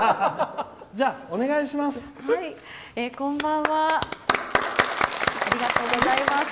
じゃ、お願いします。